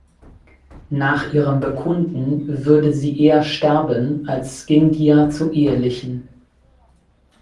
Nach ihrem Bekunden würde sie eher sterben als Scindia zu ehelichen.